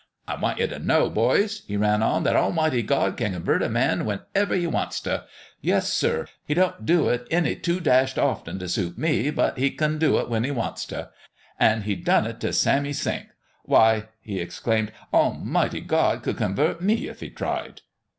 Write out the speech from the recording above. " I want ye t' know, boys," he ran on, " that Almighty God kin convert a man whenever He wants t'. Yes, sir. He don't do it any too dashed often t' suit me ; but He kin do it when He wants t'. An' He done it t' Sammy Sink. Why I" he exclaimed, "Al mighty God could convert me if He tried."